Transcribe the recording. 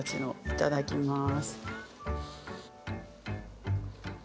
いただきます。